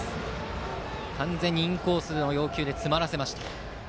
完全にインコースの要求で詰まりました。